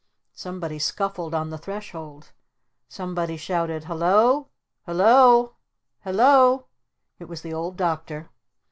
Somebody scuffled on the threshold. Somebody shouted "Hello Hello Hello !" It was the Old Doctor.